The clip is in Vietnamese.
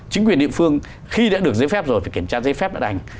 chính quyền địa phương khi đã được giấy phép rồi phải kiểm tra giấy phép đã đành